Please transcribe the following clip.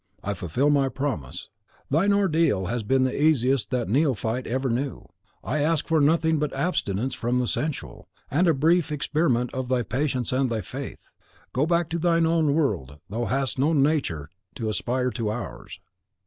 I fulfil my promise. Thine ordeal has been the easiest that neophyte ever knew. I asked for nothing but abstinence from the sensual, and a brief experiment of thy patience and thy faith. Go back to thine own world; thou hast no nature to aspire to ours!